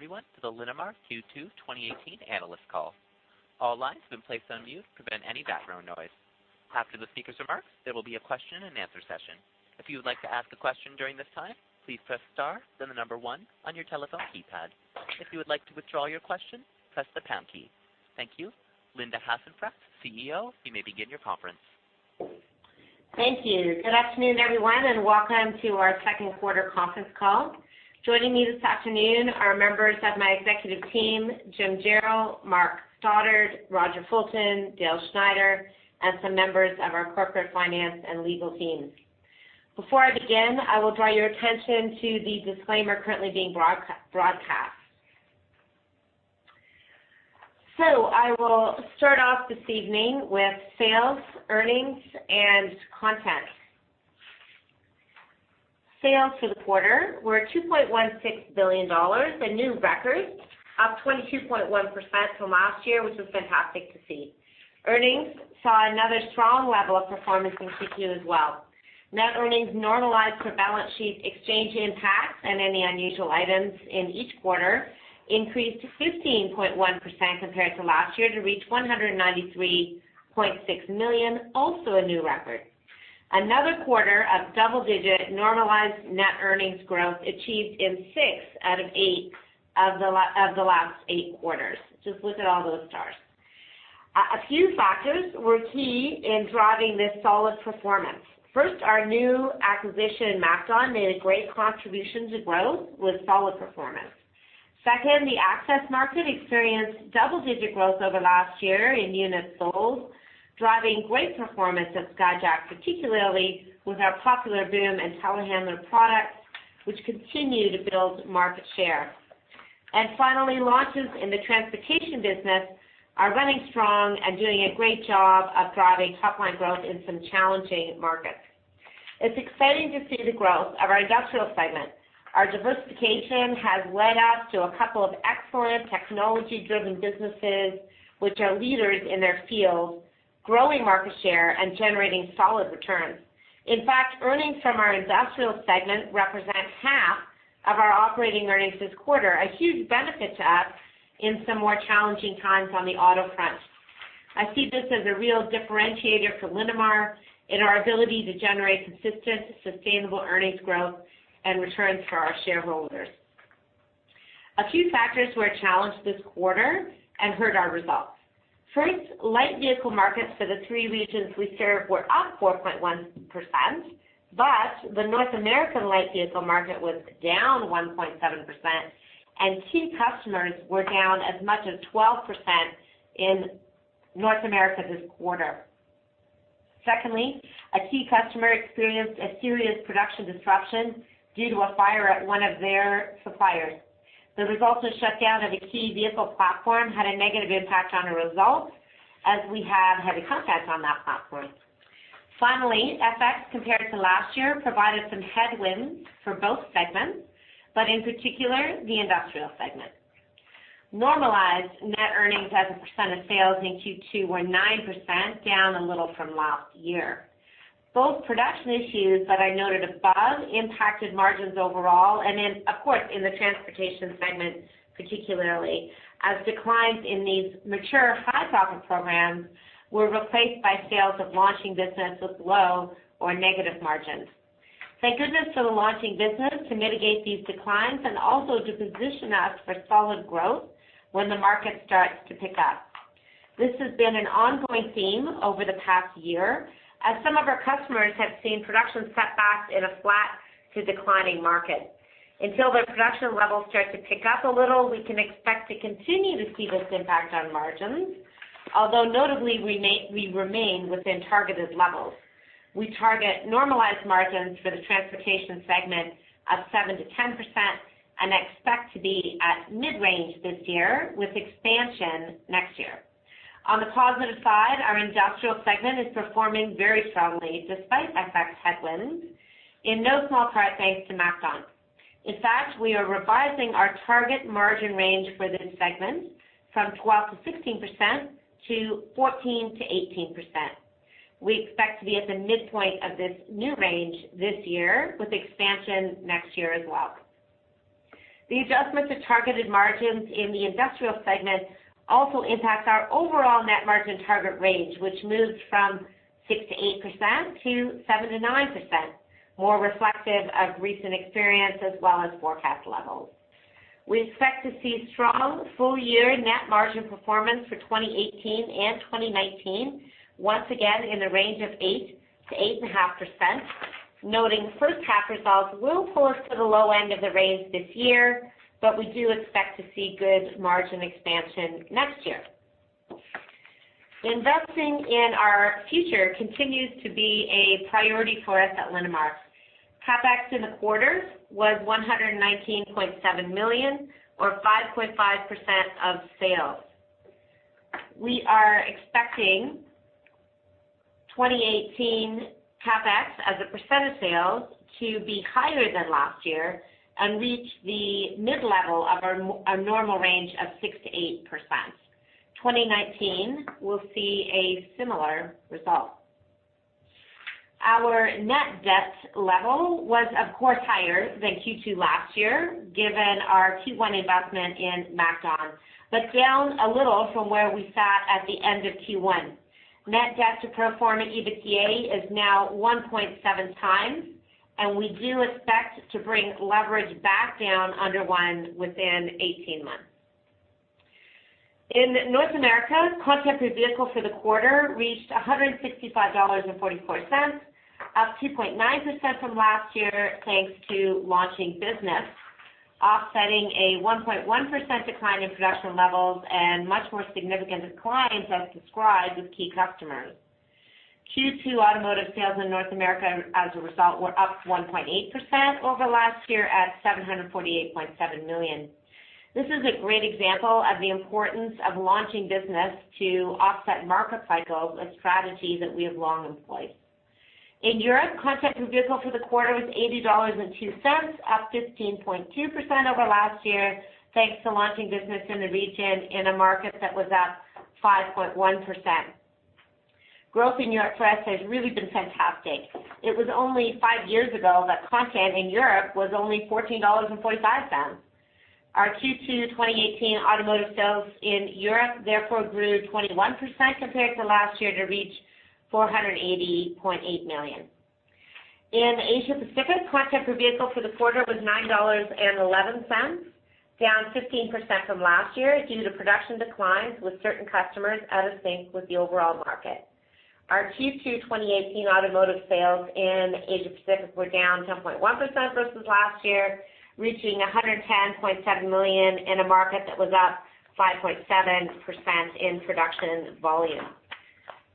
I would like to welcome everyone to the Linamar Q2 2018 Analyst call. All lines have been placed on mute to prevent any background noise. After the speaker's remarks, there will be a question-and-answer session. If you would like to ask a question during this time, please press star, then the number one on your telephone keypad. If you would like to withdraw your question, press the pound key. Thank you. Linda Hasenfratz, CEO, you may begin your conference. Thank you. Good afternoon, everyone, and welcome to our second quarter conference call. Joining me this afternoon are members of my executive team, Jim Jarrell, Mark Stoddart, Roger Fulton, Dale Schneider, and some members of our corporate finance and legal teams. Before I begin, I will draw your attention to the disclaimer currently being broadcast. So I will start off this evening with sales, earnings, and content. Sales for the quarter were 2.16 billion dollars, a new record, up 22.1% from last year, which is fantastic to see. Earnings saw another strong level of performance in Q2 as well. Net earnings normalized for balance sheet exchange impact and any unusual items in each quarter increased 15.1% compared to last year to reach 193.6 million, also a new record. Another quarter of double-digit normalized net earnings growth achieved in six out of eight of the last eight quarters. Just look at all those stars. A few factors were key in driving this solid performance. First, our new acquisition, MacDon, made a great contribution to growth with solid performance. Second, the access market experienced double-digit growth over last year in units sold, driving great performance at Skyjack, particularly with our popular booms and telehandler products, which continue to build market share. And finally, launches in the transportation business are running strong and doing a great job of driving top-line growth in some challenging markets. It's exciting to see the growth of our industrial segment. Our diversification has led us to a couple of excellent technology-driven businesses, which are leaders in their fields, growing market share and generating solid returns. In fact, earnings from our industrial segment represent half of our operating earnings this quarter, a huge benefit to us in some more challenging times on the auto front. I see this as a real differentiator for Linamar in our ability to generate consistent, sustainable earnings growth and returns for our shareholders. A few factors were a challenge this quarter and hurt our results. First, light vehicle markets for the three regions we serve were up 4.1%, but the North American light vehicle market was down 1.7%, and key customers were down as much as 12% in North America this quarter. Secondly, a key customer experienced a serious production disruption due to a fire at one of their suppliers. The resultant shutdown of a key vehicle platform had a negative impact on our results as we have heavy content on that platform. Finally, FX compared to last year provided some headwinds for both segments, but in particular, the industrial segment. Normalized net earnings as a percent of sales in Q2 were 9%, down a little from last year. Both production issues that I noted above impacted margins overall and, of course, in the transportation segment particularly, as declines in these mature high-profit programs were replaced by sales of launching business with low or negative margins. Thank goodness for the launching business to mitigate these declines and also to position us for solid growth when the market starts to pick up. This has been an ongoing theme over the past year as some of our customers have seen production setbacks in a flat to declining market. Until the production levels start to pick up a little, we can expect to continue to see this impact on margins, although notably, we remain within targeted levels. We target normalized margins for the transportation segment of 7%-10% and expect to be at mid-range this year with expansion next year. On the positive side, our industrial segment is performing very strongly despite FX headwinds, in no small part thanks to MacDon. In fact, we are revising our target margin range for this segment from 12%-16% to 14%-18%. We expect to be at the midpoint of this new range this year with expansion next year as well. The adjustment to targeted margins in the industrial segment also impacts our overall net margin target range, which moved from 6%-8% to 7%-9%, more reflective of recent experience as well as forecast levels. We expect to see strong full-year net margin performance for 2018 and 2019, once again in the range of 8%-8.5%, noting first-half results will pull us to the low end of the range this year, but we do expect to see good margin expansion next year. Investing in our future continues to be a priority for us at Linamar. CapEx in the quarter was $119.7 million, or 5.5% of sales. We are expecting 2018 CapEx as a percent of sales to be higher than last year and reach the mid-level of our normal range of 6%-8%. 2019 will see a similar result. Our net debt level was, of course, higher than Q2 last year given our Q1 investment in MacDon, but down a little from where we sat at the end of Q1. Net debt to pro forma EBITDA is now 1.7x, and we do expect to bring leverage back down under one within 18 months. In North America, content per vehicle for the quarter reached $165.44, up 2.9% from last year thanks to launching business, offsetting a 1.1% decline in production levels and much more significant declines, as described, with key customers. Q2 automotive sales in North America as a result were up 1.8% over last year at $748.7 million. This is a great example of the importance of launching business to offset market cycles and strategies that we have long employed. In Europe, content per vehicle for the quarter was $80.02, up 15.2% over last year thanks to launching business in the region in a market that was up 5.1%. Growth in Europe for us has really been fantastic. It was only five years ago that content in Europe was only $14.45. Our Q2 2018 automotive sales in Europe therefore grew 21% compared to last year to reach $480.8 million. In Asia-Pacific, content per vehicle for the quarter was $9.11, down 15% from last year due to production declines with certain customers out of sync with the overall market. Our Q2 2018 automotive sales in Asia-Pacific were down 10.1% versus last year, reaching $110.7 million in a market that was up 5.7% in production volume.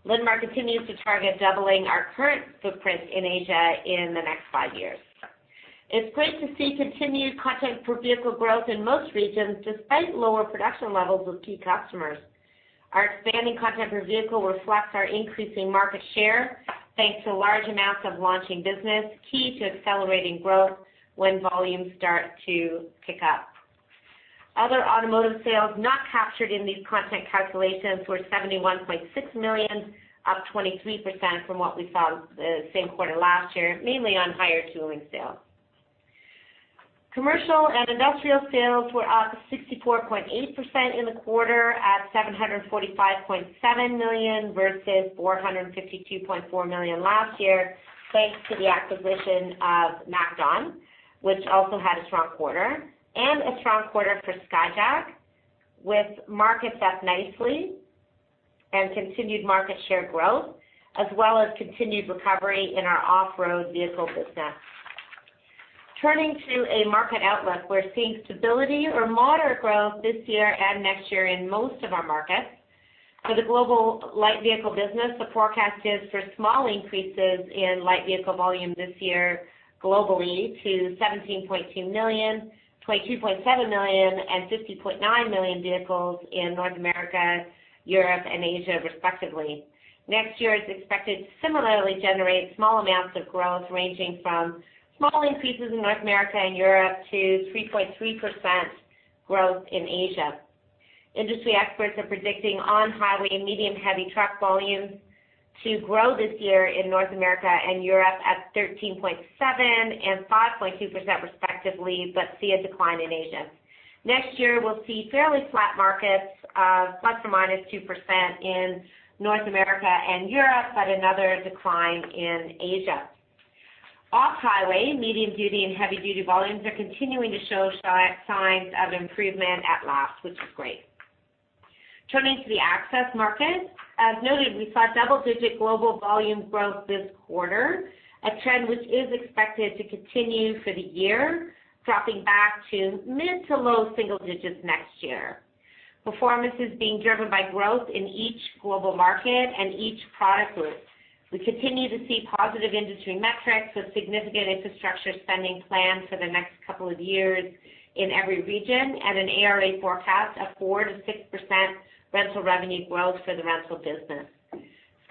Linamar continues to target doubling our current footprint in Asia in the next five years. It's great to see continued content per vehicle growth in most regions despite lower production levels with key customers. Our expanding content per vehicle reflects our increasing market share thanks to large amounts of launching business, key to accelerating growth when volumes start to pick up. Other automotive sales not captured in these content calculations were 71.6 million, up 23% from what we saw the same quarter last year, mainly on higher tooling sales. Commercial and industrial sales were up 64.8% in the quarter at 745.7 million versus 452.4 million last year thanks to the acquisition of MacDon, which also had a strong quarter, and a strong quarter for Skyjack, with markets up nicely and continued market share growth, as well as continued recovery in our off-road vehicle business. Turning to a market outlook, we're seeing stability or moderate growth this year and next year in most of our markets. For the global light vehicle business, the forecast is for small increases in light vehicle volume this year globally to 17.2 million, 22.7 million, and 50.9 million vehicles in North America, Europe, and Asia respectively. Next year is expected to similarly generate small amounts of growth ranging from small increases in North America and Europe to 3.3% growth in Asia. Industry experts are predicting on-highway medium-heavy truck volumes to grow this year in North America and Europe at 13.7% and 5.2% respectively, but see a decline in Asia. Next year, we'll see fairly flat markets of ±2% in North America and Europe, but another decline in Asia. Off-highway medium-duty and heavy-duty volumes are continuing to show signs of improvement at last, which is great. Turning to the access market, as noted, we saw double-digit global volume growth this quarter, a trend which is expected to continue for the year, dropping back to mid to low single digits next year. Performance is being driven by growth in each global market and each product group. We continue to see positive industry metrics with significant infrastructure spending planned for the next couple of years in every region and an ARA forecast of 4%-6% rental revenue growth for the rental business.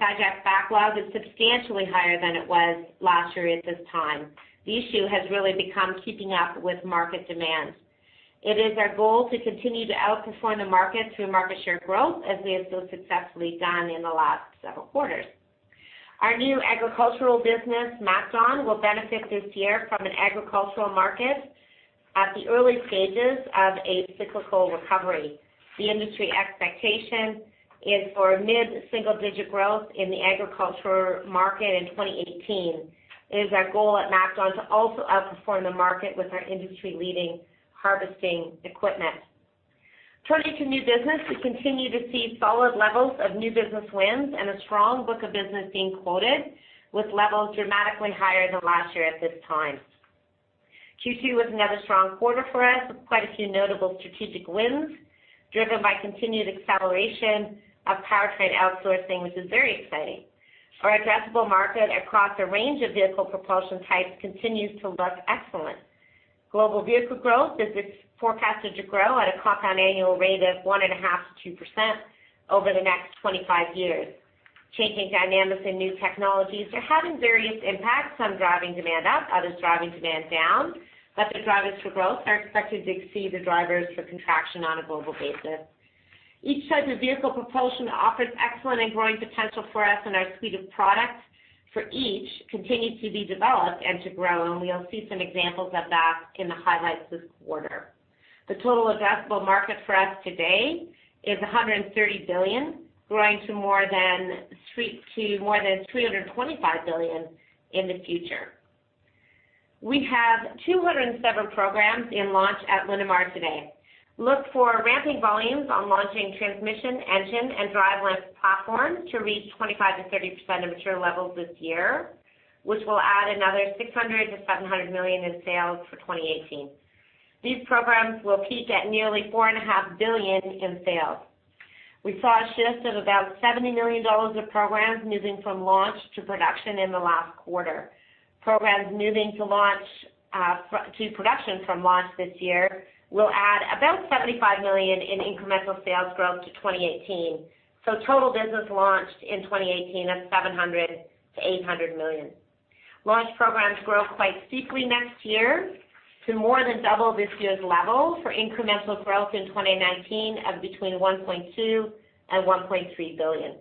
Skyjack's backlog is substantially higher than it was last year at this time. The issue has really become keeping up with market demands. It is our goal to continue to outperform the market through market share growth, as we have so successfully done in the last several quarters. Our new agricultural business, MacDon, will benefit this year from an agricultural market at the early stages of a cyclical recovery. The industry expectation is for mid-single-digit growth in the agricultural market in 2018. It is our goal at MacDon to also outperform the market with our industry-leading harvesting equipment. Turning to new business, we continue to see solid levels of new business wins and a strong book of business being quoted, with levels dramatically higher than last year at this time. Q2 was another strong quarter for us with quite a few notable strategic wins driven by continued acceleration of powertrain outsourcing, which is very exciting. Our addressable market across a range of vehicle propulsion types continues to look excellent. Global vehicle growth is forecasted to grow at a compound annual rate of 1.5%-2% over the next 25 years. Changing dynamics and new technologies are having various impacts on driving demand up, others driving demand down, but the drivers for growth are expected to exceed the drivers for contraction on a global basis. Each type of vehicle propulsion offers excellent and growing potential for us in our suite of products for each. Continue to be developed and to grow, and we'll see some examples of that in the highlights this quarter. The total addressable market for us today is 130 billion, growing to more than 325 billion in the future. We have 207 programs in launch at Linamar today. Look for ramping volumes on launching transmission, engine, and drive lamp platforms to reach 25%-30% of mature levels this year, which will add another 600 million-700 million in sales for 2018. These programs will peak at nearly 4.5 billion in sales. We saw a shift of about 70 million dollars of programs moving from launch to production in the last quarter. Programs moving to production from launch this year will add about 75 million in incremental sales growth to 2018, so total business launched in 2018 of 700 million-800 million. Launch programs grow quite steeply next year to more than double this year's level for incremental growth in 2019 of between $1.2 billion and $1.3 billion.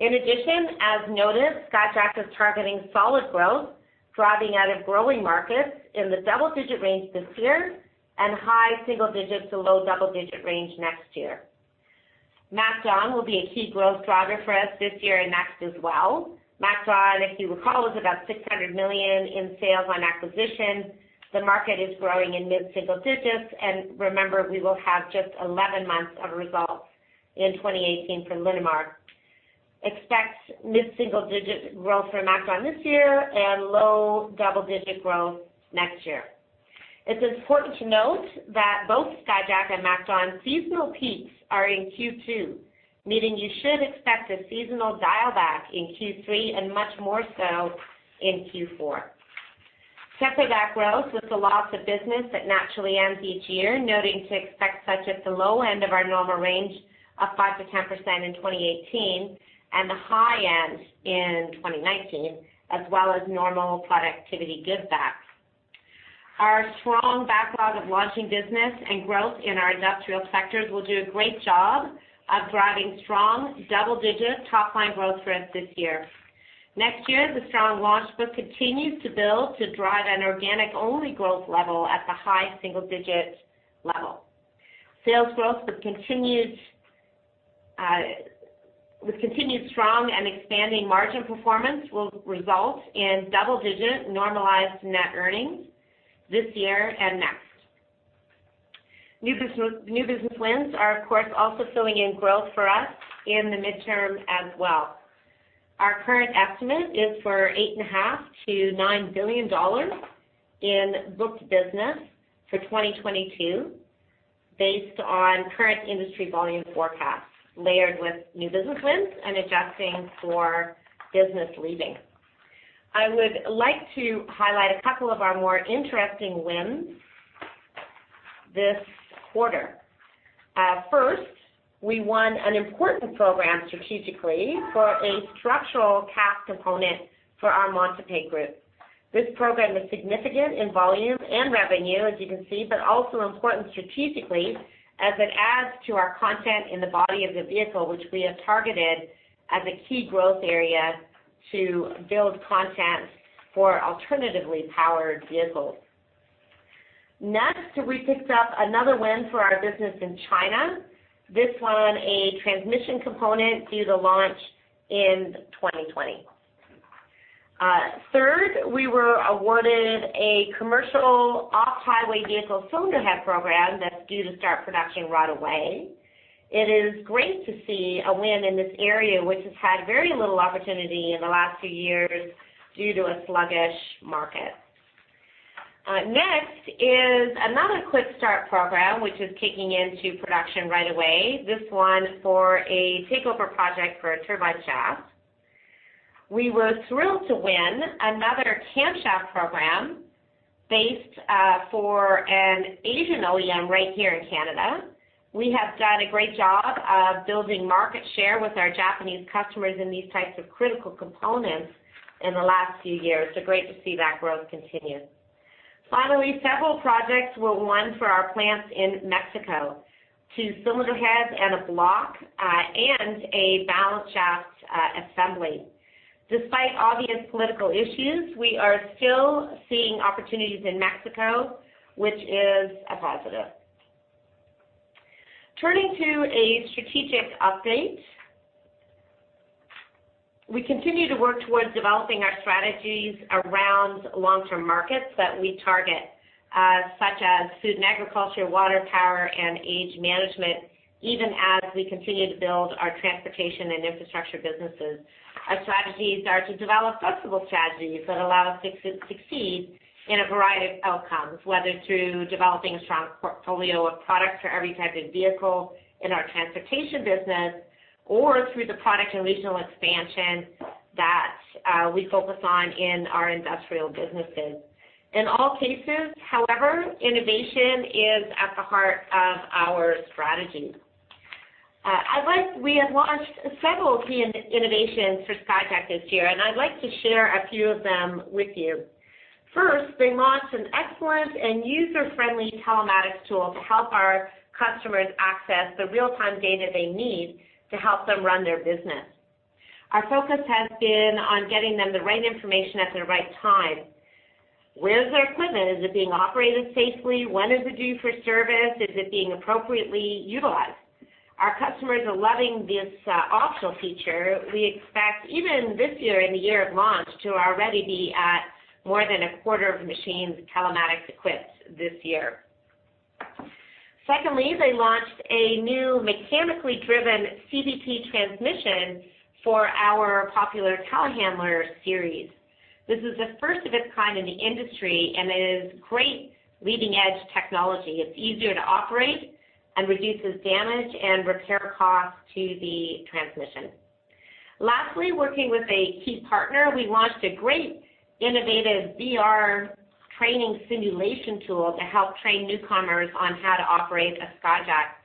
In addition, as noted, Skyjack is targeting solid growth, driving out of growing markets in the double-digit range this year and high single digit to low double-digit range next year. MacDon will be a key growth driver for us this year and next as well. MacDon, if you recall, was about $600 million in sales on acquisition. The market is growing in mid-single digits, and remember, we will have just 11 months of results in 2018 for Linamar. Expect mid-single digit growth for MacDon this year and low double-digit growth next year. It's important to note that both Skyjack and MacDon's seasonal peaks are in Q2, meaning you should expect a seasonal dial-back in Q3 and much more so in Q4. Temper that growth with the loss of business that naturally ends each year, noting to expect such at the low end of our normal range of 5%-10% in 2018 and the high end in 2019, as well as normal productivity give back. Our strong backlog of launching business and growth in our industrial sectors will do a great job of driving strong double-digit top-line growth for us this year. Next year, the strong launch book continues to build to drive an organic-only growth level at the high single-digit level. Sales growth with continued strong and expanding margin performance will result in double-digit normalized net earnings this year and next. New business wins are, of course, also filling in growth for us in the midterm as well. Our current estimate is for $8.5 billion-$9 billion in booked business for 2022 based on current industry volume forecasts, layered with new business wins and adjusting for business leaving. I would like to highlight a couple of our more interesting wins this quarter. First, we won an important program strategically for a structural cast component for our Montupet group. This program is significant in volume and revenue, as you can see, but also important strategically as it adds to our content in the body of the vehicle, which we have targeted as a key growth area to build content for alternatively powered vehicles. Next, we picked up another win for our business in China, this one a transmission component due to launch in 2020. Third, we were awarded a commercial off-highway vehicle cylinder head program that's due to start production right away. It is great to see a win in this area, which has had very little opportunity in the last few years due to a sluggish market. Next is another quick start program, which is kicking into production right away, this one for a takeover project for a turbine shaft. We were thrilled to win another camshaft program based for an Asian OEM right here in Canada. We have done a great job of building market share with our Japanese customers in these types of critical components in the last few years. So great to see that growth continue. Finally, several projects were won for our plants in Mexico: two cylinder heads and a block and a balance shaft assembly. Despite obvious political issues, we are still seeing opportunities in Mexico, which is a positive. Turning to a strategic update, we continue to work towards developing our strategies around long-term markets that we target, such as food and agriculture, water power, and age management, even as we continue to build our transportation and infrastructure businesses. Our strategies are to develop flexible strategies that allow us to succeed in a variety of outcomes, whether through developing a strong portfolio of products for every type of vehicle in our transportation business or through the product and regional expansion that we focus on in our industrial businesses. In all cases, however, innovation is at the heart of our strategy. We have launched several key innovations for Skyjack this year, and I'd like to share a few of them with you. First, they launched an excellent and user-friendly telematics tool to help our customers access the real-time data they need to help them run their business. Our focus has been on getting them the right information at the right time. Where's their equipment? Is it being operated safely? When is it due for service? Is it being appropriately utilized? Our customers are loving this optional feature. We expect even this year and the year of launch to already be at more than a quarter of machines telematics equipped this year. Secondly, they launched a new mechanically driven CVT transmission for our popular Telehandler series. This is the first of its kind in the industry, and it is great leading-edge technology. It's easier to operate and reduces damage and repair costs to the transmission. Lastly, working with a key partner, we launched a great innovative VR training simulation tool to help train newcomers on how to operate a Skyjack.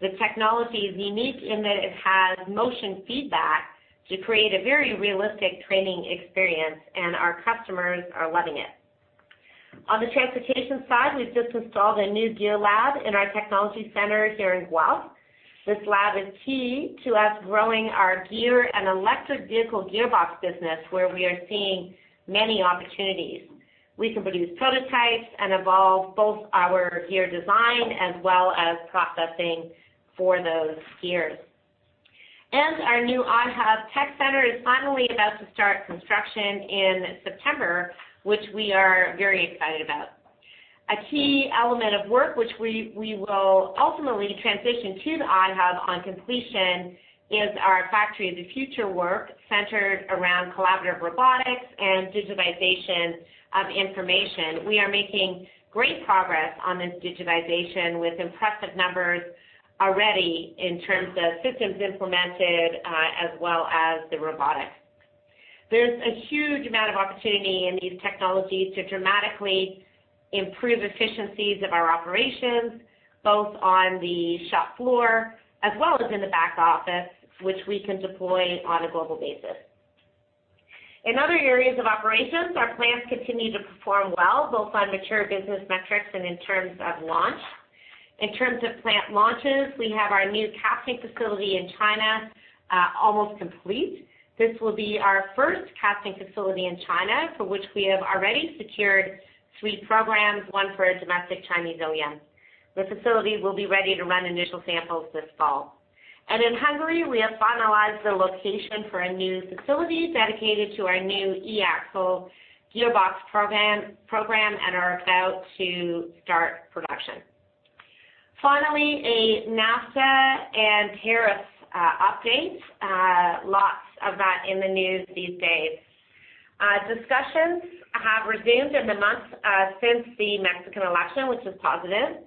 The technology is unique in that it has motion feedback to create a very realistic training experience, and our customers are loving it. On the transportation side, we've just installed a new gear lab in our technology center here in Guelph. This lab is key to us growing our gear and electric vehicle gearbox business, where we are seeing many opportunities. We can produce prototypes and evolve both our gear design as well as processing for those gears. Our new iHub tech center is finally about to start construction in September, which we are very excited about. A key element of work, which we will ultimately transition to the iHub on completion, is our Factory of the Future work centered around collaborative robotics and digitization of information. We are making great progress on this digitization with impressive numbers already in terms of systems implemented as well as the robotics. There's a huge amount of opportunity in these technologies to dramatically improve efficiencies of our operations, both on the shop floor as well as in the back office, which we can deploy on a global basis. In other areas of operations, our plants continue to perform well, both on mature business metrics and in terms of launch. In terms of plant launches, we have our new casting facility in China almost complete. This will be our first casting facility in China, for which we have already secured three programs, one for a domestic Chinese OEM. The facility will be ready to run initial samples this fall. In Hungary, we have finalized the location for a new facility dedicated to our new eAxle gearbox program and are about to start production. Finally, a NAFTA and tariff update. Lots of that in the news these days. Discussions have resumed in the months since the Mexican election, which is positive.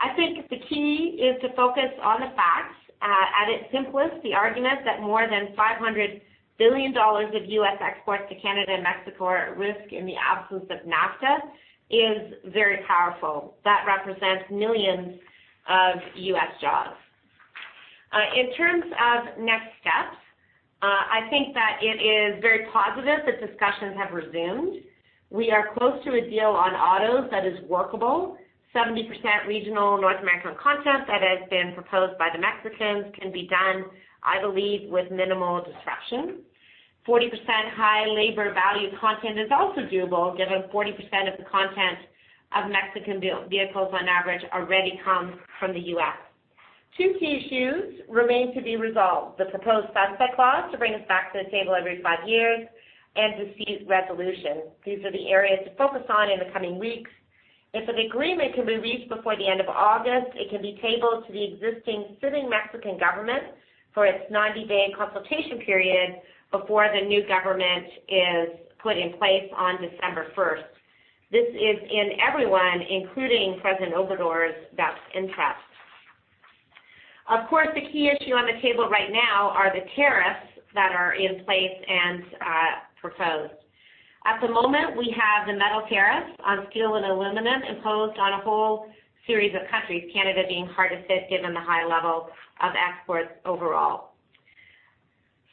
I think the key is to focus on the facts. At its simplest, the argument that more than $500 billion of U.S. exports to Canada and Mexico are at risk in the absence of NAFTA is very powerful. That represents millions of U.S. jobs. In terms of next steps, I think that it is very positive that discussions have resumed. We are close to a deal on autos that is workable. 70% regional North American content that has been proposed by the Mexicans can be done, I believe, with minimal disruption. 40% high labor-value content is also doable, given 40% of the content of Mexican vehicles on average already comes from the U.S. Two key issues remain to be resolved: the proposed sunset clause to bring us back to the table every five years and dispute resolution. These are the areas to focus on in the coming weeks. If an agreement can be reached before the end of August, it can be tabled to the existing sitting Mexican government for its 90-day consultation period before the new government is put in place on December 1st. This is in everyone's, including President Obrador's best interest. Of course, the key issue on the table right now are the tariffs that are in place and proposed. At the moment, we have the metal tariffs on steel and aluminum imposed on a whole series of countries, Canada being hard hit given the high level of exports overall.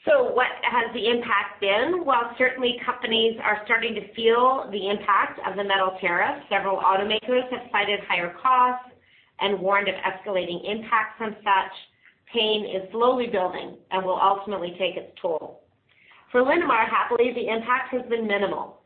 So what has the impact been? While certainly companies are starting to feel the impact of the metal tariffs, several automakers have cited higher costs and warned of escalating impact from such. Pain is slowly building and will ultimately take its toll. For Linamar, happily, the impact has been minimal.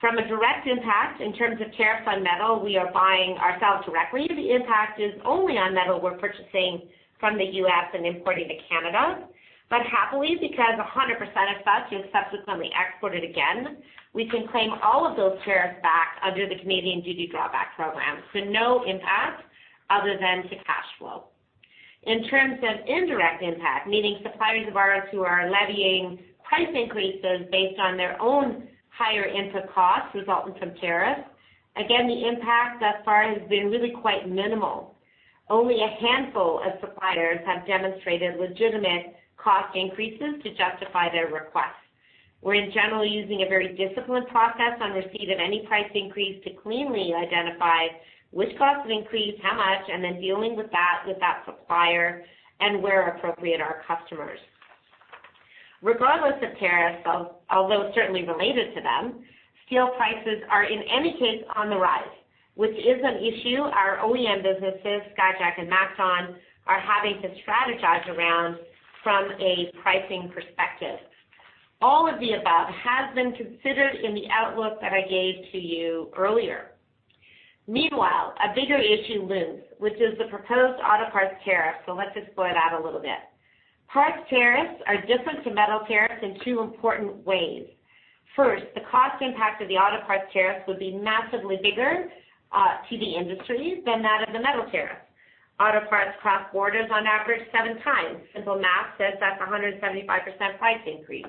From a direct impact in terms of tariffs on metal, we are buying ourselves directly. The impact is only on metal we're purchasing from the U.S. and importing to Canada. But happily, because 100% of such is subsequently exported again, we can claim all of those tariffs back under the Canadian duty drawback program. No impact other than to cash flow. In terms of indirect impact, meaning suppliers of ours who are levying price increases based on their own higher input costs resulting from tariffs, again, the impact thus far has been really quite minimal. Only a handful of suppliers have demonstrated legitimate cost increases to justify their request. We're in general using a very disciplined process on receipt of any price increase to cleanly identify which costs have increased, how much, and then dealing with that supplier and where appropriate our customers. Regardless of tariffs, although certainly related to them, steel prices are in any case on the rise, which is an issue our OEM businesses, Skyjack and MacDon, are having to strategize around from a pricing perspective. All of the above has been considered in the outlook that I gave to you earlier. Meanwhile, a bigger issue looms, which is the proposed auto parts tariff. So let's explore that a little bit. Parts tariffs are different from metal tariffs in two important ways. First, the cost impact of the auto parts tariffs would be massively bigger to the industry than that of the metal tariffs. Auto parts cross borders on average seven times. Simple math says that's a 175% price increase.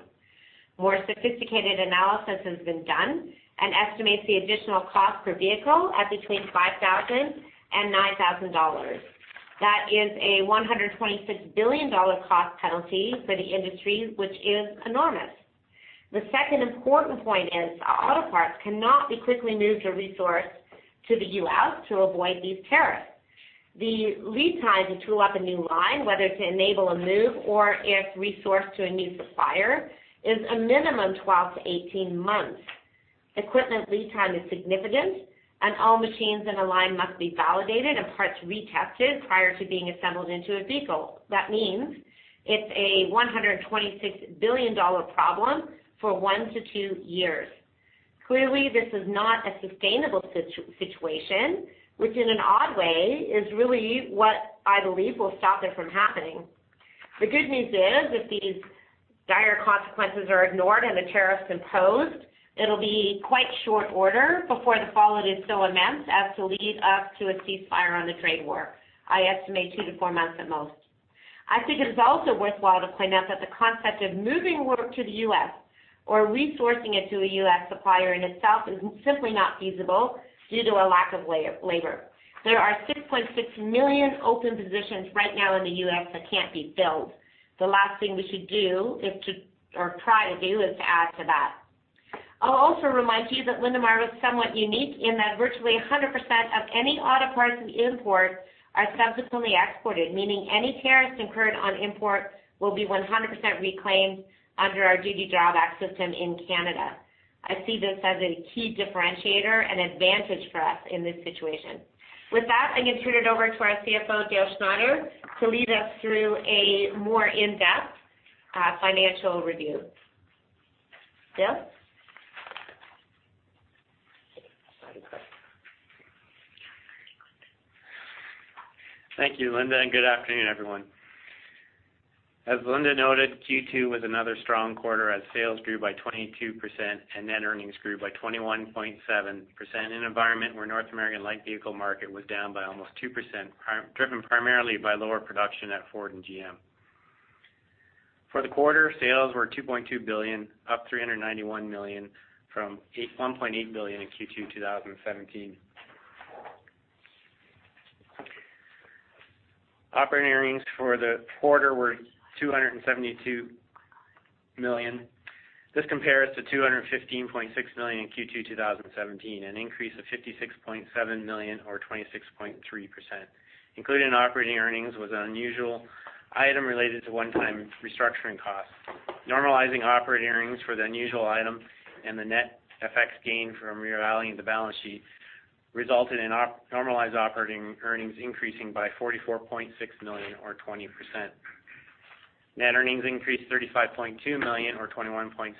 More sophisticated analysis has been done and estimates the additional cost per vehicle at between $5,000-$9,000. That is a $126 billion cost penalty for the industry, which is enormous. The second important point is auto parts cannot be quickly moved or resourced to the U.S. to avoid these tariffs. The lead time to tool up a new line, whether to enable a move or if resourced to a new supplier, is a minimum 12 months-18 months. Equipment lead time is significant, and all machines in a line must be validated and parts retested prior to being assembled into a vehicle. That means it's a $126 billion problem for 1 year-2 years. Clearly, this is not a sustainable situation, which in an odd way is really what I believe will stop it from happening. The good news is if these dire consequences are ignored and the tariffs imposed, it'll be quite short order before the fall of this storm events as to lead us to a ceasefire on the trade war. I estimate 2 months-4 months at most. I think it is also worthwhile to point out that the concept of moving work to the U.S. or resourcing it to a U.S. supplier in itself is simply not feasible due to a lack of labor. There are 6.6 million open positions right now in the U.S. that can't be filled. The last thing we should do or try to do is to add to that. I'll also remind you that Linamar was somewhat unique in that virtually 100% of any auto parts we import are subsequently exported, meaning any tariffs incurred on import will be 100% reclaimed under our duty drawback system in Canada. I see this as a key differentiator and advantage for us in this situation. With that, I'm going to turn it over to our CFO, Dale Schneider, to lead us through a more in-depth financial review. Dale. Thank you, Linda, and good afternoon, everyone. As Linda noted, Q2 was another strong quarter as sales grew by 22% and net earnings grew by 21.7% in an environment where North American light vehicle market was down by almost 2%, driven primarily by lower production at Ford and GM. For the quarter, sales were 2.2 billion, up 391 million from 1.8 billion in Q2 2017. Operating earnings for the quarter were 272 million. This compares to 215.6 million in Q2 2017, an increase of 56.7 million or 26.3%. Included in operating earnings was an unusual item related to one-time restructuring costs. Normalizing operating earnings for the unusual item and the net FX gain from revaluing the balance sheet resulted in normalized operating earnings increasing by 44.6 million or 20%. Net earnings increased 35.2 million or 21.7%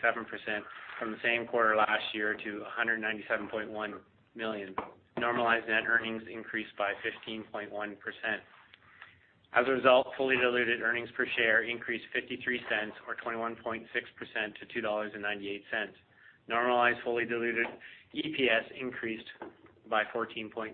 from the same quarter last year to 197.1 million. Normalized net earnings increased by 15.1%. As a result, fully diluted earnings per share increased 0.53 or 21.6% to 2.98 dollars. Normalized fully diluted EPS increased by 14.9%.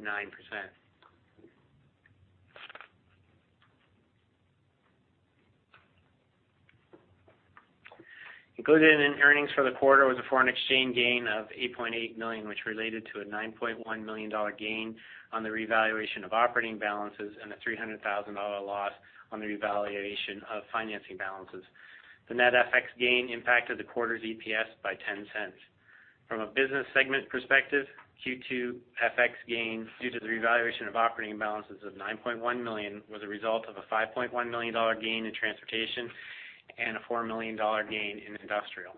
Included in earnings for the quarter was a foreign exchange gain of 8.8 million, which related to a 9.1 million dollar gain on the revaluation of operating balances and a 300,000 dollar loss on the revaluation of financing balances. The net FX gain impacted the quarter's EPS by 0.10. From a business segment perspective, Q2 FX gain due to the revaluation of operating balances of 9.1 million was a result of a 5.1 million dollar gain in transportation and a 4 million dollar gain in industrial.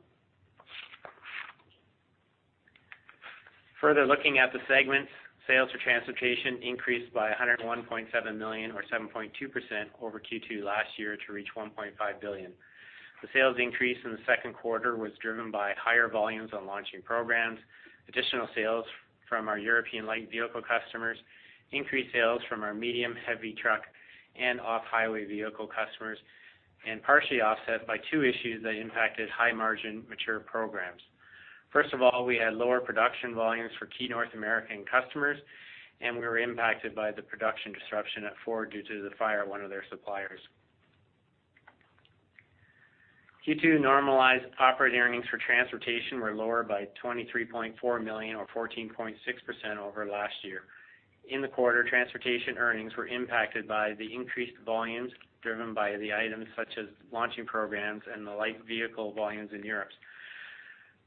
Further looking at the segments, sales for transportation increased by 101.7 million or 7.2% over Q2 last year to reach 1.5 billion. The sales increase in the second quarter was driven by higher volumes on launching programs, additional sales from our European light vehicle customers, increased sales from our medium heavy truck and off-highway vehicle customers, and partially offset by two issues that impacted high-margin mature programs. First of all, we had lower production volumes for key North American customers, and we were impacted by the production disruption at Ford due to the fire at one of their suppliers. Q2 normalized operating earnings for transportation were lower by 23.4 million or 14.6% over last year. In the quarter, transportation earnings were impacted by the increased volumes driven by the items such as launching programs and the light vehicle volumes in Europe,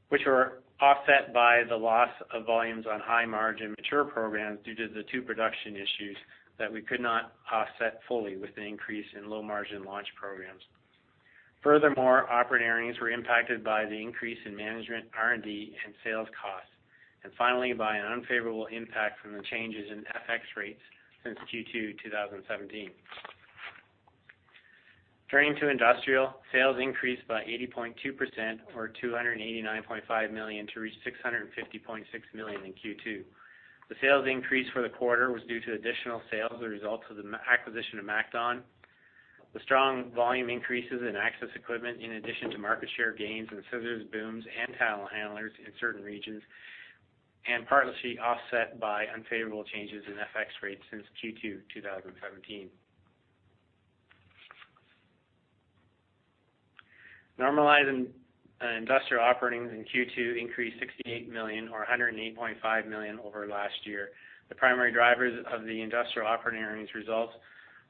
which were offset by the loss of volumes on high-margin mature programs due to the two production issues that we could not offset fully with the increase in low-margin launch programs. Furthermore, operating earnings were impacted by the increase in management, R&D, and sales costs, and finally by an unfavorable impact from the changes in FX rates since Q2 2017. Turning to industrial, sales increased by 80.2% or 289.5 million to reach 650.6 million in Q2. The sales increase for the quarter was due to additional sales as a result of the acquisition of MacDon, the strong volume increases in access equipment in addition to market share gains in scissors, booms, and telehandlers in certain regions, and partly offset by unfavorable changes in FX rates since Q2 2017. Normalized industrial operating earnings in Q2 increased 68 million or 108.5% over last year. The primary drivers of the industrial operating earnings results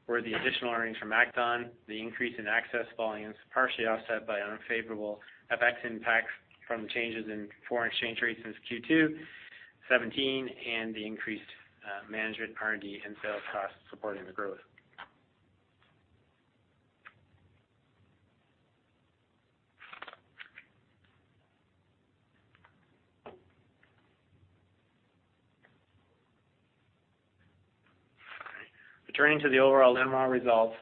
were the additional earnings from MacDon, the increase in access volumes partially offset by unfavorable FX impacts from changes in foreign exchange rates since Q2 2017, and the increased management, R&D, and sales costs supporting the growth. Returning to the overall Linamar results,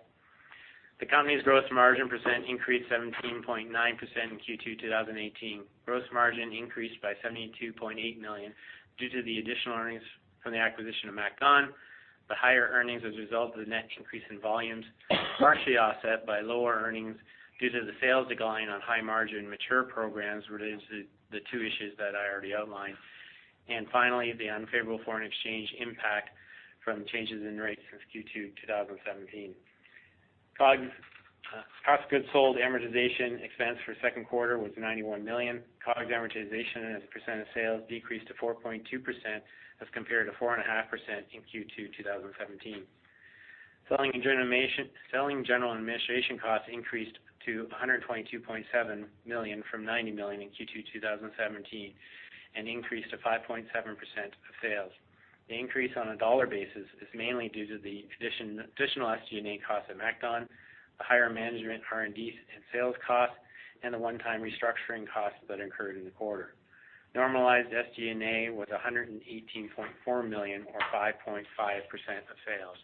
the company's gross margin percent increased 17.9% in Q2 2018. Gross margin increased by 72.8 million due to the additional earnings from the acquisition of MacDon, the higher earnings as a result of the net increase in volumes partially offset by lower earnings due to the sales declining on high-margin mature programs related to the two issues that I already outlined. And finally, the unfavorable foreign exchange impact from changes in rates since Q2 2017. COGS, cost of goods sold, amortization expense for second quarter was 91 million. COGS amortization as a percent of sales decreased to 4.2% as compared to 4.5% in Q2 2017. Selling general administration costs increased to 122.7 million from 90 million in Q2 2017 and increased to 5.7% of sales. The increase on a dollar basis is mainly due to the additional SG&A costs at MacDon, the higher management, R&D, and sales costs, and the one-time restructuring costs that occurred in the quarter. Normalized SG&A was 118.4 million or 5.5% of sales.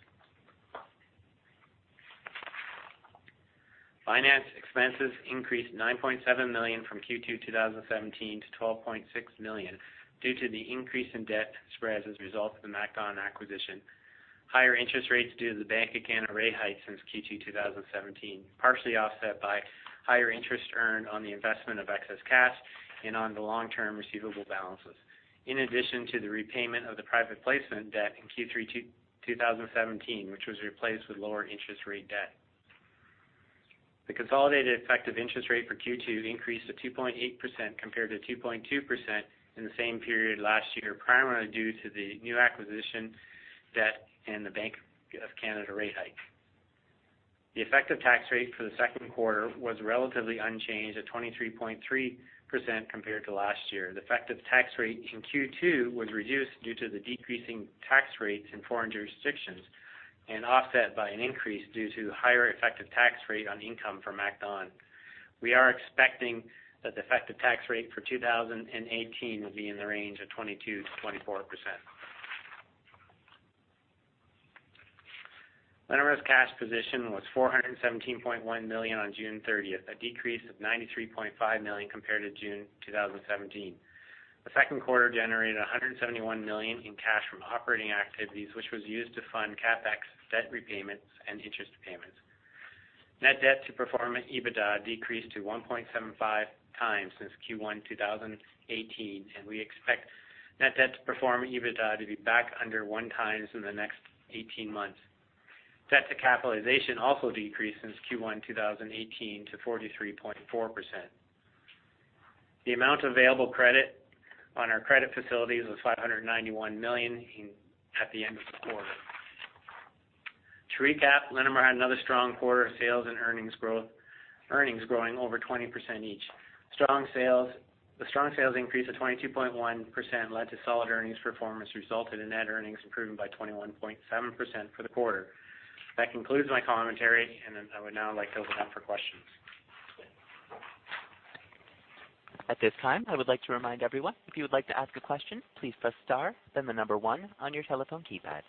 Finance expenses increased 9.7 million from Q2 2017 to 12.6 million due to the increase in debt spreads as a result of the MacDon acquisition. Higher interest rates due to the Bank of Canada rate hike since Q2 2017 partially offset by higher interest earned on the investment of excess cash and on the long-term receivable balances, in addition to the repayment of the private placement debt in Q3 2017, which was replaced with lower interest rate debt. The consolidated effective interest rate for Q2 increased to 2.8% compared to 2.2% in the same period last year, primarily due to the new acquisition debt and the Bank of Canada rate hike. The effective tax rate for the second quarter was relatively unchanged at 23.3% compared to last year. The effective tax rate in Q2 was reduced due to the decreasing tax rates in foreign jurisdictions and offset by an increase due to higher effective tax rate on income from MacDon. We are expecting that the effective tax rate for 2018 will be in the range of 22%-24%. Linamar's cash position was 417.1 million on June 30th, a decrease of 93.5 million compared to June 2017. The second quarter generated 171 million in cash from operating activities, which was used to fund CapEx debt repayments and interest payments. Net debt to pro forma EBITDA decreased to 1.75 times since Q1 2018, and we expect net debt to pro forma EBITDA to be back under one times in the next 18 months. Debt to capitalization also decreased since Q1 2018 to 43.4%. The amount of available credit on our credit facilities was 591 million at the end of the quarter. To recap, Linamar had another strong quarter of sales and earnings growing over 20% each. The strong sales increase of 22.1% led to solid earnings performance resulting in net earnings improving by 21.7% for the quarter. That concludes my commentary, and I would now like to open up for questions. At this time, I would like to remind everyone, if you would like to ask a question, please press star, then the number one on your telephone keypad.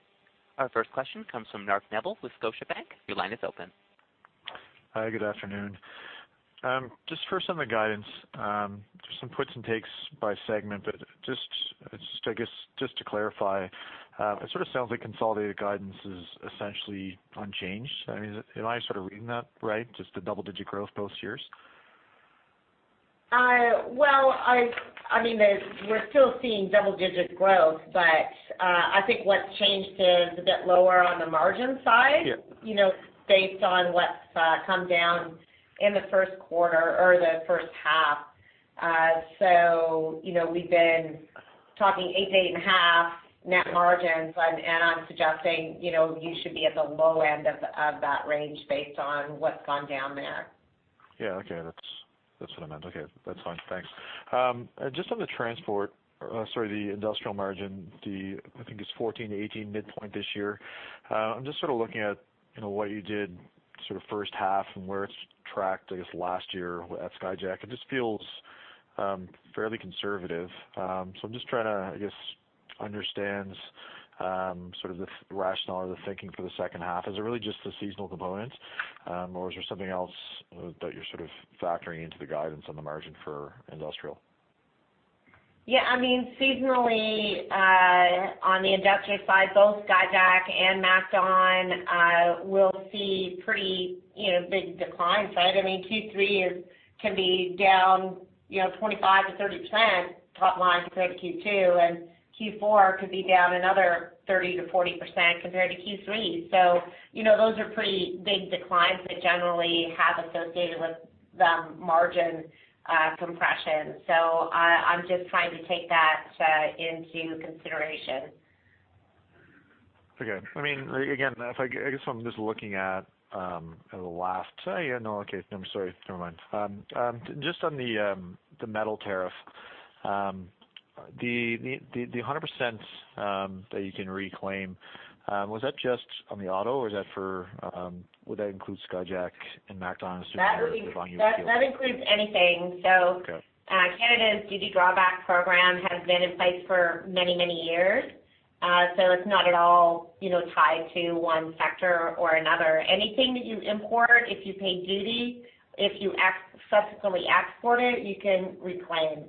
Our first question comes from Mark Neville with Scotiabank. Your line is open. Hi, good afternoon. Just first on the guidance, just some puts and takes by segment, but just, I guess, just to clarify, it sort of sounds like consolidated guidance is essentially unchanged. I mean, am I sort of reading that right? Just the double-digit growth both years? Well, I mean, we're still seeing double-digit growth, but I think what's changed is a bit lower on the margin side based on what's come down in the first quarter or the first half. So we've been talking 8-8.5 net margins, and I'm suggesting you should be at the low end of that range based on what's gone down there. Yeah, okay. That's what I meant. Okay. That's fine. Thanks. Just on the transport, sorry, the industrial margin, I think it's 14%-18% midpoint this year. I'm just sort of looking at what you did sort of first half and where it's tracked, I guess, last year at Skyjack. It just feels fairly conservative. So I'm just trying to, I guess, understand sort of the rationale or the thinking for the second half. Is it really just the seasonal component, or is there something else that you're sort of factoring into the guidance on the margin for industrial? Yeah. I mean, seasonally on the industrial side, both Skyjack and MacDon will see pretty big declines, right? I mean, Q3 can be down 25%-30% top line compared to Q2, and Q4 could be down another 30%-40% compared to Q3. So those are pretty big declines that generally have associated with margin compression. So I'm just trying to take that into consideration. Just on the metal tariff, the 100% that you can reclaim, was that just on the auto, or would that include Skyjack and MacDon as soon as you move on your field? That includes anything. Canada's duty drawback program has been in place for many, many years, so it's not at all tied to one sector or another. Anything that you import, if you pay duty, if you subsequently export it, you can reclaim.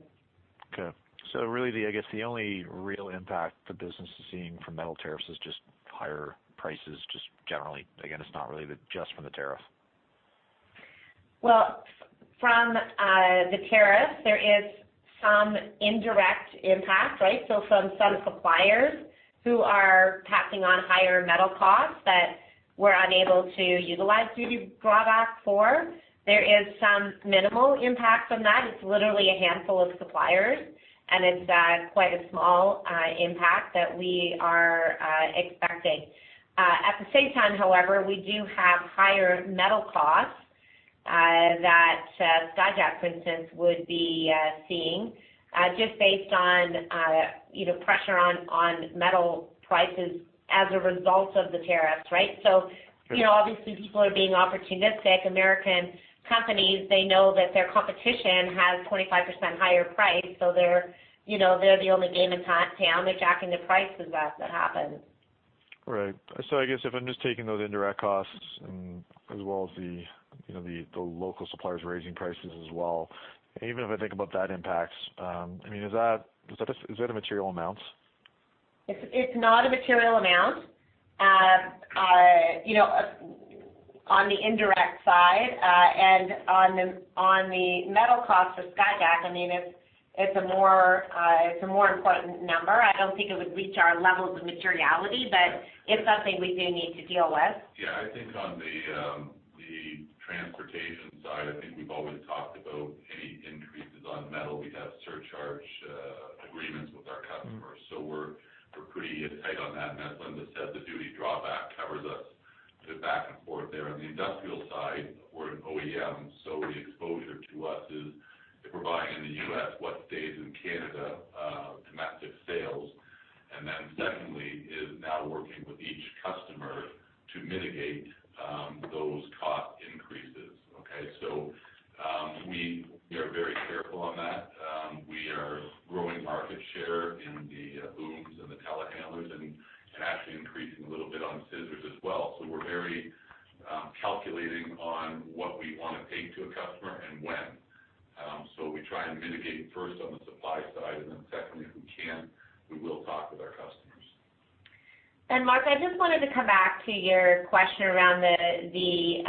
Okay. So really, I guess the only real impact the business is seeing from metal tariffs is just higher prices just generally. Again, it's not really just from the tariff. Well, from the tariffs, there is some indirect impact, right? So from some suppliers who are passing on higher metal costs that we're unable to utilize duty drawback for, there is some minimal impact from that. It's literally a handful of suppliers, and it's quite a small impact that we are expecting. At the same time, however, we do have higher metal costs that Skyjack, for instance, would be seeing just based on pressure on metal prices as a result of the tariffs, right? So obviously, people are being opportunistic. American companies, they know that their competition has 25% higher price, so they're the only game in town. They're jacking the prices up. That happens. Right. So I guess if I'm just taking those indirect costs as well as the local suppliers raising prices as well, even if I think about that impacts, I mean, is that a material amount? It's not a material amount on the indirect side. On the metal costs for Skyjack, I mean, it's a more important number. I don't think it would reach our levels of materiality, but it's something we do need to deal with. Yeah. I think on the transportation side, I think we've always talked about any increases on metal. We have surcharge agreements with our customers, so we're pretty tight on that. And as Linda said, the duty drawback covers us back and forth there. On the industrial side, we're an OEM, so the exposure to us is if we're buying in the U.S., what stays in Canada, domestic sales. And then secondly is now working with each customer to mitigate those cost increases, okay? So we are very careful on that. We are growing market share in the booms and the telehandlers and actually increasing a little bit on scissors as well. So we're very calculating on what we want to pay to a customer and when. So we try and mitigate first on the supply side, and then secondly, if we can, we will talk with our customers. Mark, I just wanted to come back to your question around the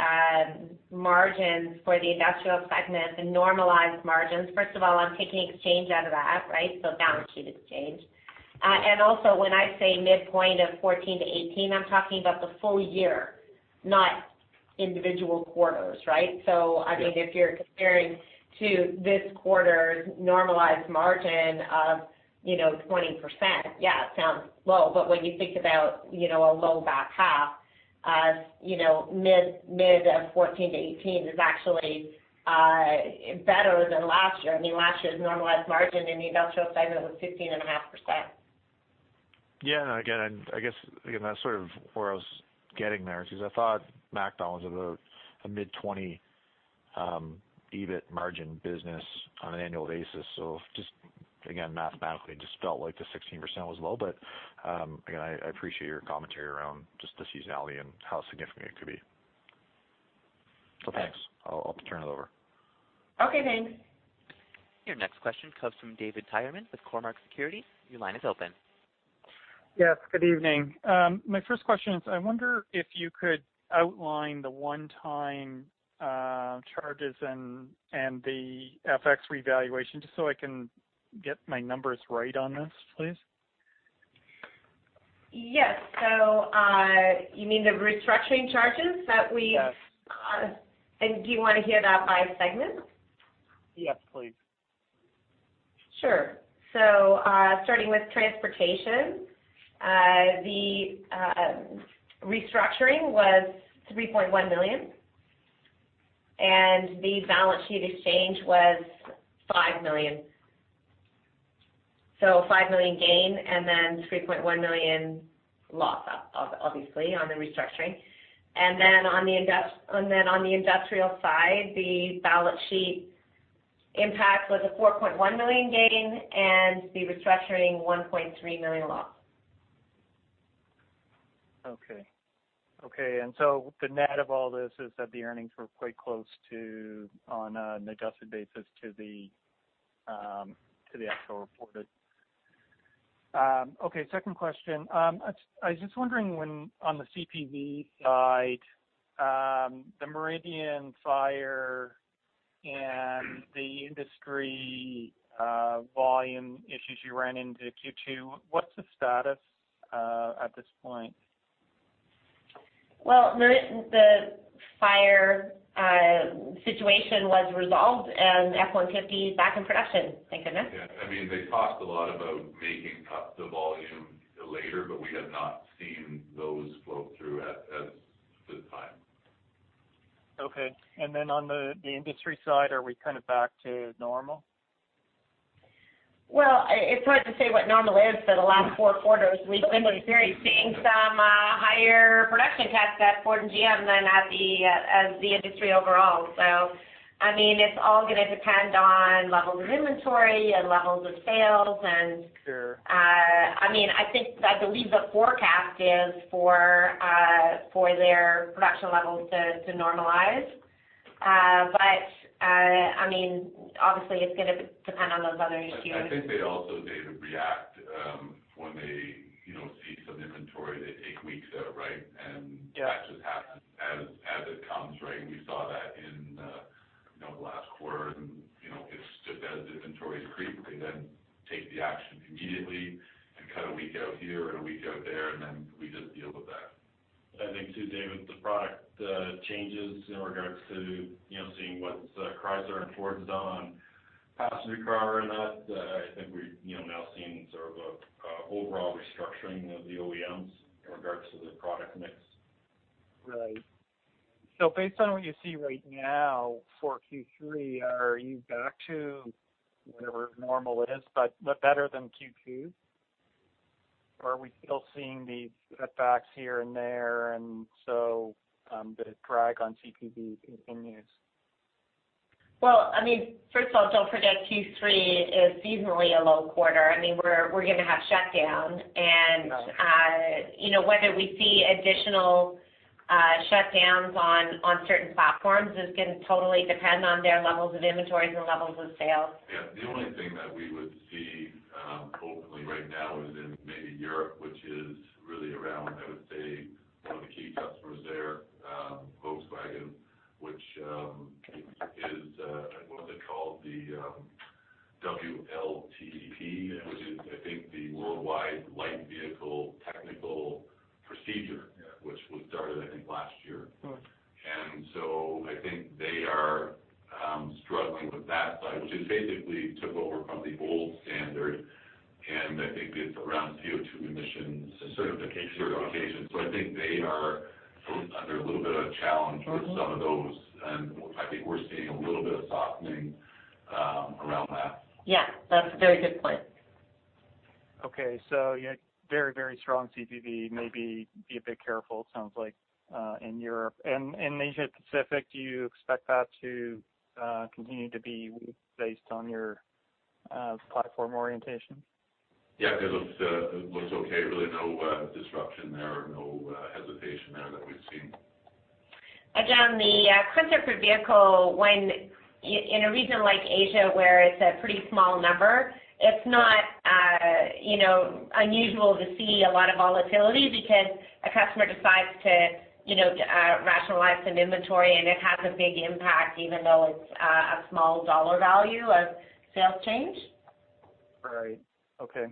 margins for the industrial segment, the normalized margins. First of all, I'm taking exchange out of that, right? So balance sheet exchange. And also, when I say midpoint of 14%-18%, I'm talking about the full year, not individual quarters, right? So I mean, if you're comparing to this quarter's normalized margin of 20%, yeah, it sounds low, but when you think about a low back half, mid of 14%-18% is actually better than last year. I mean, last year's normalized margin in the industrial segment was 15.5%. Yeah. And again, I guess that's sort of where I was getting there because I thought MacDon was about a mid-20% EBIT margin business on an annual basis. So just, again, mathematically, it just felt like the 16% was low, but again, I appreciate your commentary around just the seasonality and how significant it could be. So thanks. I'll turn it over. Okay. Thanks. Your next question comes from David Tyerman with Cormark Securities. Your line is open. Yes. Good evening. My first question is I wonder if you could outline the one-time charges and the FX revaluation just so I can get my numbers right on this, please. Yes. So you mean the restructuring charges that we? Yes. Do you want to hear that by segment? Yes, please. Sure. So starting with transportation, the restructuring was 3.1 million, and the balance sheet exchange was 5 million. So 5 million gain and then 3.1 million loss, obviously, on the restructuring. And then on the industrial side, the balance sheet impact was a 4.1 million gain, and the restructuring, 1.3 million loss. Okay. So the net of all this is that the earnings were quite close on an adjusted basis to the actual reported. Okay. Second question. I was just wondering on the CPV side, the Meridian fire and the industry volume issues you ran into Q2, what's the status at this point? Well, the fire situation was resolved, and F-150 is back in production. Thank goodness. Yeah. I mean, they talked a lot about making up the volume later, but we have not seen those flow through at this time. Okay. And then on the industry side, are we kind of back to normal? Well, it's hard to say what normal is for the last four quarters. We've been experiencing some higher production caps at Ford and GM than at the industry overall. So I mean, it's all going to depend on levels of inventory and levels of sales. And I mean, I believe the forecast is for their production levels to normalize. But I mean, obviously, it's going to depend on those other issues. I think they also, David, react when they see some inventory that takes weeks out, right? And that just happens as it comes, right? We saw that in the last quarter. And it's just as inventory decreases, they then take the action immediately and cut a week out here and a week out there, and then we just deal with that. I think too, David, the product changes in regards to seeing what's Chrysler and Ford's done on passenger car and that. I think we're now seeing sort of an overall restructuring of the OEMs in regards to their product mix. Right. So based on what you see right now for Q3, are you back to whatever normal is, but better than Q2? Or are we still seeing these setbacks here and there? And so the drag on CPV continues. Well, I mean, first of all, don't forget Q3 is seasonally a low quarter. I mean, we're going to have shutdown. And whether we see additional shutdowns on certain platforms is going to totally depend on their levels of inventories and levels of sales. Yeah. The only thing that we would see openly right now is in maybe Europe, which is really around, I would say, one of the key customers there, Volkswagen, which is what they call the WLTP, which is, I think, the Worldwide Harmonised Light Vehicle Test Procedure, which was started, I think, last year. And so I think they are struggling with that side, which is basically took over from the old standard. And I think it's around CO2 emissions. Certification. Certification. I think they are under a little bit of a challenge with some of those. I think we're seeing a little bit of a softening around that. Yeah. That's a very good point. Okay. So very, very strong CPV. Maybe be a bit careful, it sounds like, in Europe. In Asia-Pacific, do you expect that to continue to be based on your platform orientation? Yeah. It looks okay. Really no disruption there or no hesitation there that we've seen. Again, the crystal clear vehicle in a region like Asia where it's a pretty small number, it's not unusual to see a lot of volatility because a customer decides to rationalize some inventory, and it has a big impact even though it's a small dollar value of sales change. Right. Okay.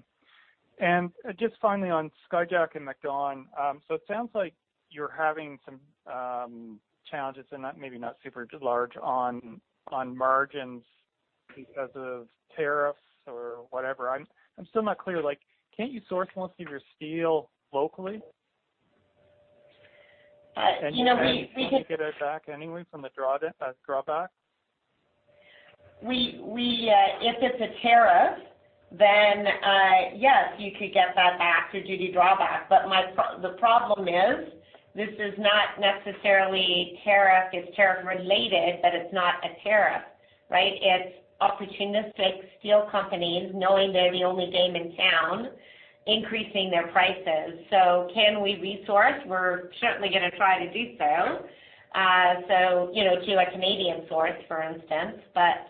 And just finally on Skyjack and MacDon, so it sounds like you're having some challenges, and maybe not super large on margins because of tariffs or whatever. I'm still not clear. Can't you source most of your steel locally? You know, we. You're not able to get it back anyway from the drawback? If it's a tariff, then yes, you could get that back through duty drawback. But the problem is this is not necessarily tariff. It's tariff-related, but it's not a tariff, right? It's opportunistic steel companies knowing they're the only game in town, increasing their prices. So can we resource? We're certainly going to try to do so. So to a Canadian source, for instance. But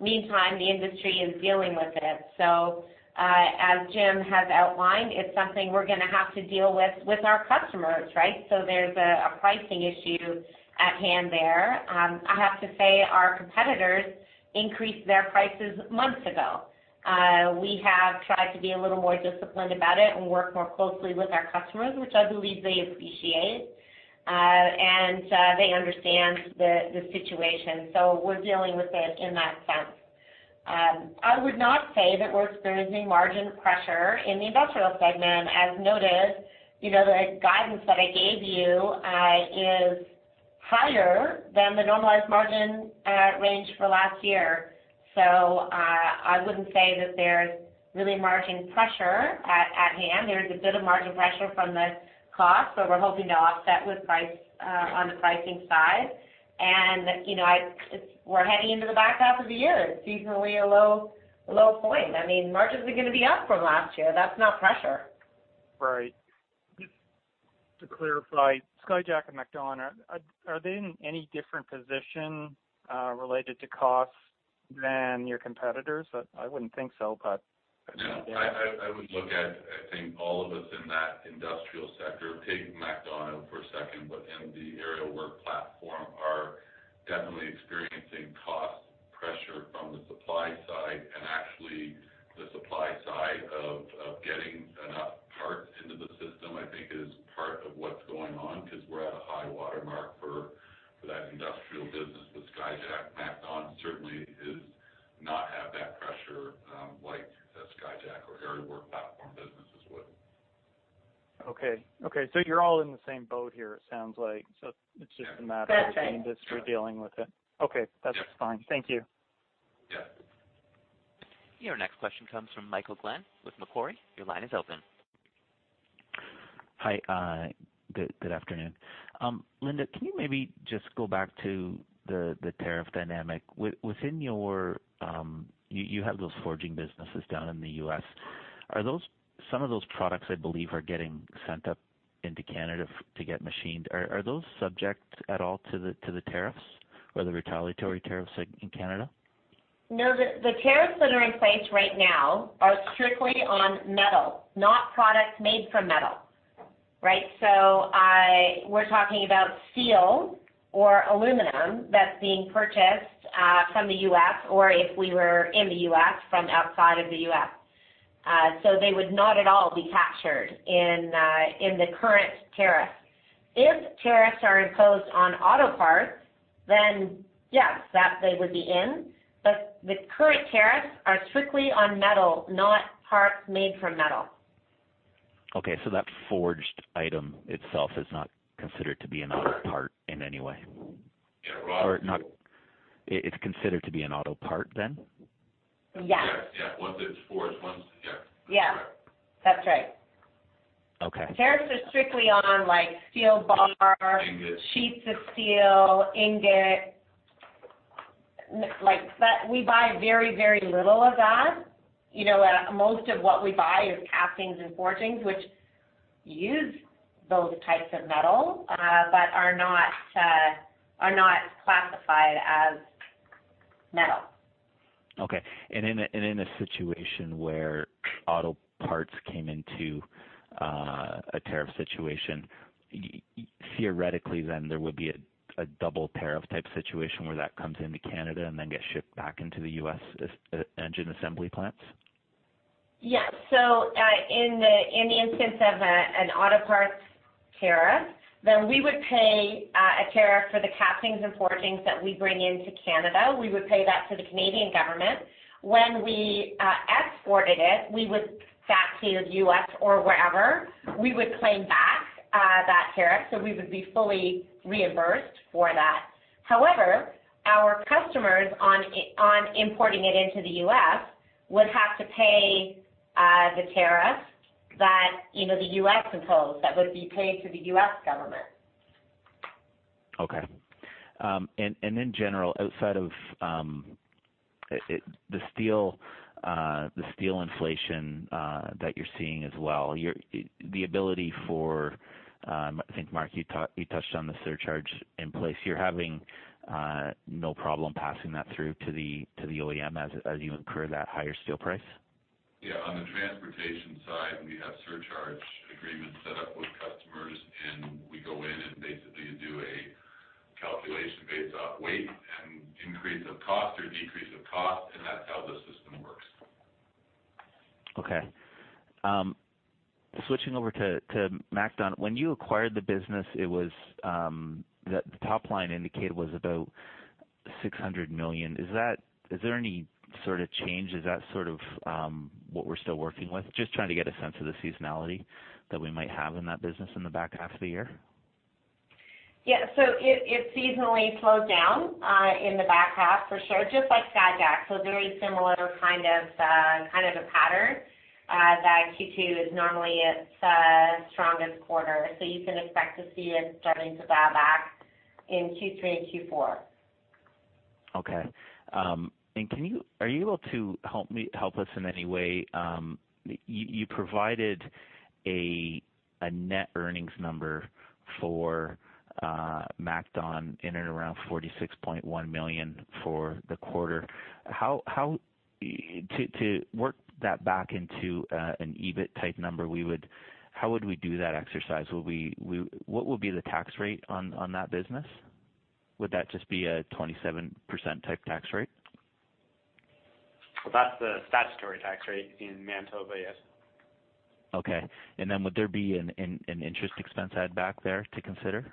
meantime, the industry is dealing with it. So as Jim has outlined, it's something we're going to have to deal with our customers, right? So there's a pricing issue at hand there. I have to say our competitors increased their prices months ago. We have tried to be a little more disciplined about it and work more closely with our customers, which I believe they appreciate. And they understand the situation. So we're dealing with it in that sense. I would not say that we're experiencing margin pressure in the industrial segment. As noted, the guidance that I gave you is higher than the normalized margin range for last year. So I wouldn't say that there's really margin pressure at hand. There's a bit of margin pressure from the cost, but we're hoping to offset on the pricing side. And we're heading into the back half of the year. It's seasonally a low point. I mean, margins are going to be up from last year. That's not pressure. Right. Just to clarify, Skyjack and MacDon, are they in any different position related to costs Okay. So you're all in the same boat here, it sounds like. So it's just a matter of the industry dealing with it. Okay. That's fine. Thank you. Yeah. Your next question comes from Michael Glen with Macquarie. Your line is open. Hi. Good afternoon. Linda, can you maybe just go back to the tariff dynamic? Within your—you have those forging businesses down in the U.S. Some of those products, I believe, are getting sent up into Canada to get machined. Are those subject at all to the tariffs or the retaliatory tariffs in Canada? No. The tariffs that are in place right now are strictly on metal, not products made from metal, right? So we're talking about steel or aluminum that's being purchased from the U.S. or if we were in the U.S. from outside of the U.S. So they would not at all be captured in the current tariffs. If tariffs are imposed on auto parts, then yes, they would be in. But the current tariffs are strictly on metal, not parts made from metal. Okay. So that forged item itself is not considered to be an auto part in any way? Yeah. Right. Or it's considered to be an auto part then? Yes. Yes. Yeah. Once it's forged, yeah. Yeah. That's right. Tariffs are strictly on steel bar, sheets of steel, ingot. We buy very, very little of that. Most of what we buy is castings and forgings, which use those types of metal but are not classified as metal. Okay. In a situation where auto parts came into a tariff situation, theoretically, then there would be a double tariff type situation where that comes into Canada and then gets shipped back into the U.S. engine assembly plants? Yes. So in the instance of an auto parts tariff, then we would pay a tariff for the castings and forgings that we bring into Canada. We would pay that to the Canadian government. When we export it back to the U.S. or wherever, we would claim back that tariff. So we would be fully reimbursed for that. However, our customers on importing it into the U.S. would have to pay the tariff that the U.S. imposed that would be paid to the U.S. government. Okay. And in general, outside of the steel inflation that you're seeing as well, the ability for, I think, Mark, you touched on the surcharge in place. You're having no problem passing that through to the OEM as you incur that higher steel price? Yeah. On the transportation side, we have surcharge agreements set up with customers, and we go in and basically do a calculation based off weight and increase of cost or decrease of cost. That's how the system works. Okay. Switching over to MacDon, when you acquired the business, the top line indicated was about 600 million. Is there any sort of change? Is that sort of what we're still working with? Just trying to get a sense of the seasonality that we might have in that business in the back half of the year. Yeah. So it seasonally slows down in the back half for sure, just like Skyjack. So very similar kind of a pattern that Q2 is normally its strongest quarter. So you can expect to see it starting to dial back in Q3 and Q4. Okay. And are you able to help us in any way? You provided a net earnings number for MacDon in and around 46.1 million for the quarter. To work that back into an EBIT type number, how would we do that exercise? What would be the tax rate on that business? Would that just be a 27% type tax rate? That's the statutory tax rate in Manitoba, yes. Okay. Then would there be an interest expense add back there to consider?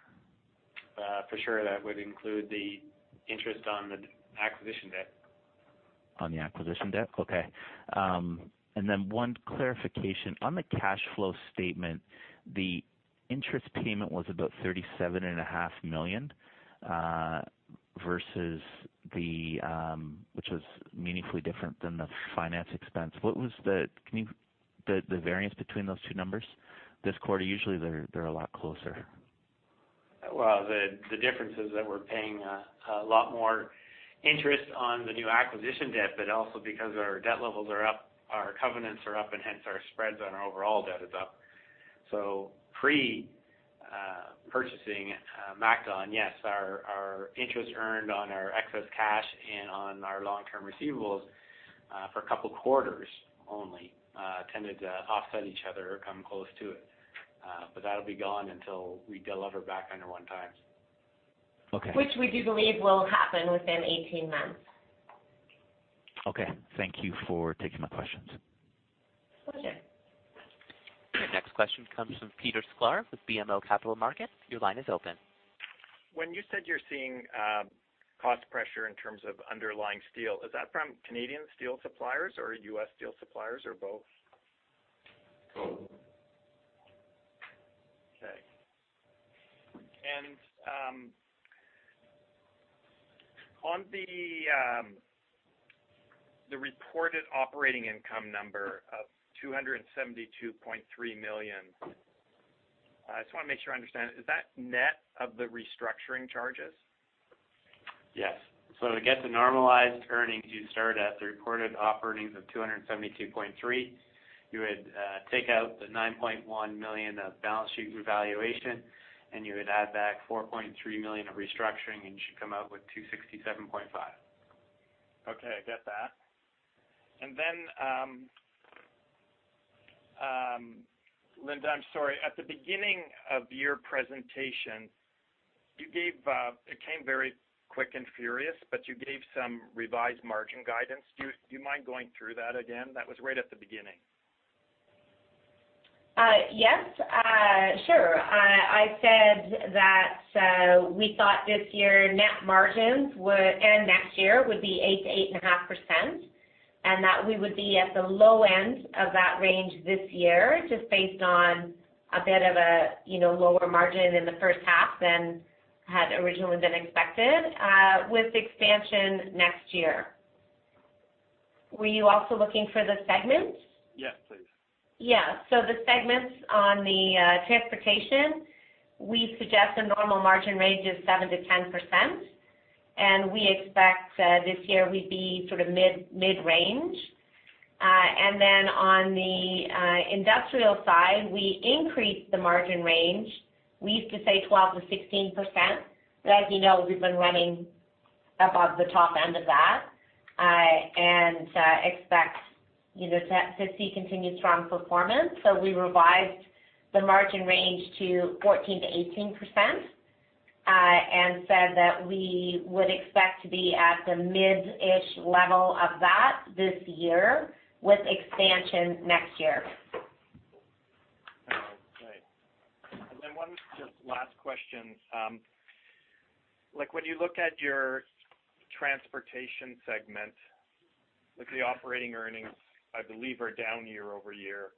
For sure. That would include the interest on the acquisition debt. On the acquisition debt? Okay. And then one clarification. On the cash flow statement, the interest payment was about 37.5 million versus the—which was meaningfully different than the finance expense. What was the—can you—the variance between those two numbers? This quarter, usually, they're a lot closer. Well, the difference is that we're paying a lot more interest on the new acquisition debt, but also because our debt levels are up, our covenants are up, and hence our spreads on our overall debt is up. So pre-purchasing MacDon, yes, our interest earned on our excess cash and on our long-term receivables for a couple of quarters only tended to offset each other or come close to it. But that'll be gone until we delever back under 1x. Which we do believe will happen within 18 months. Okay. Thank you for taking my questions. Pleasure. Your next question comes from Peter Sklar with BMO Capital Markets. Your line is open. When you said you're seeing cost pressure in terms of underlying steel, is that from Canadian steel suppliers or U.S. steel suppliers or both? Both. Okay. And on the reported operating income number of 272.3 million, I just want to make sure I understand. Is that net of the restructuring charges? Yes. So to get the normalized earnings, you start at the reported operating of 272.3. You would take out the 9.1 million of balance sheet revaluation, and you would add back 4.3 million of restructuring, and you should come out with 267.5. Okay. I get that. And then, Linda, I'm sorry. At the beginning of your presentation, you gave, it came very quick and furious, but you gave some revised margin guidance. Do you mind going through that again? That was right at the beginning. Yes. Sure. I said that we thought this year net margins and next year would be 8%-8.5%, and that we would be at the low end of that range this year just based on a bit of a lower margin in the first half than had originally been expected with expansion next year. Were you also looking for the segments? Yes, please. Yeah. So the segments on the Transportation, we suggest a normal margin range of 7%-10%. We expect this year we'd be sort of mid-range. Then on the Industrial side, we increased the margin range. We used to say 12%-16%. But as you know, we've been running above the top end of that and expect to see continued strong performance. So we revised the margin range to 14%-18% and said that we would expect to be at the mid-ish level of that this year with expansion next year. Okay. And then one just last question. When you look at your transportation segment, the operating earnings, I believe, are down year-over-year.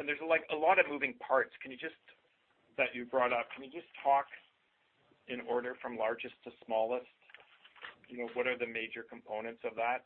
And there's a lot of moving parts that you brought up, can you just talk in order from largest to smallest? What are the major components of that?